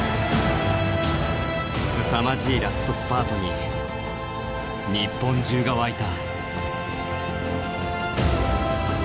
すさまじいラストスパートに日本中が沸いた。